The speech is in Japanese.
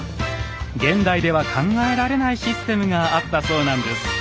現代では考えられないシステムがあったそうなんです。